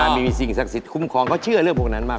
มีสิ่งศักดิ์สิทธิคุ้มครองเขาเชื่อเรื่องพวกนั้นมาก